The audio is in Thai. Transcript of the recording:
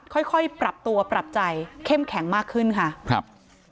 ค่อยค่อยปรับตัวปรับใจเข้มแข็งมากขึ้นค่ะครับ